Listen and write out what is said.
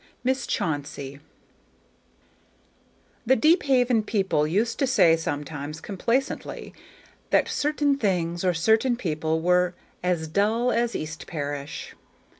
Miss Chauncey The Deephaven people used to say sometimes complacently, that certain things or certain people were "as dull as East Parish."